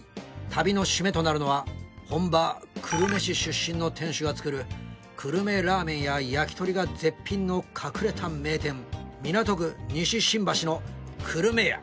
旅の締めとなるのは本場久留米市出身の店主が作る久留米ラーメンや焼き鳥が絶品の隠れた名店港区西新橋のくるめや。